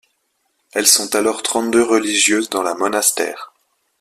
Elles sont alors trente-deux religieuses dans la monastère.